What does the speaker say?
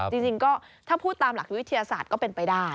จริงก็ถ้าพูดตามหลักวิทยาศาสตร์ก็เป็นไปได้